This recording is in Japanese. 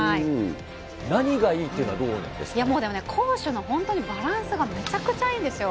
何がいいというのはどうなんいやでもね、攻守のバランスがめちゃくちゃいいんですよ。